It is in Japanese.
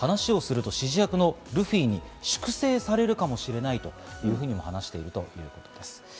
話をすると指示役のルフィに粛清されるかもしれないというふうに話しているということです。